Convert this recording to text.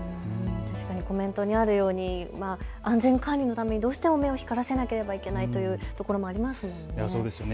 そして、コメントにあるように安全管理のためにどうしても目を光らせなければいけないというところもありますね。